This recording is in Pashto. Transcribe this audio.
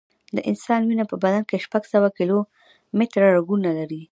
د انسان وینه په بدن کې شپږ سوه کیلومټره رګونه لري.